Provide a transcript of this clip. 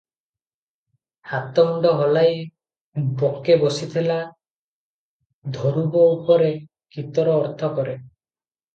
ହାତ ମୁଣ୍ଡ ହଲାଇ 'ବକେ ବସିଥିଲା ଧ୍ରୁବ ଉପରେ' ଗୀତର ଅର୍ଥ କରେ ।